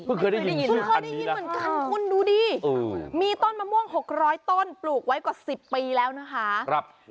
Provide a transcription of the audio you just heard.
เพิ่งเคยได้ยินชื่อภัณฑ์นี้แล้วค่ะคุณดูดิมีต้นมะม่วง๖๐๐ต้นปลูกไว้กว่า๑๐ปีแล้วนะคะ